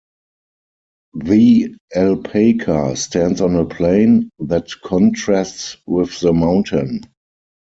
The alpaca stands on a plain that contrasts with the mountain.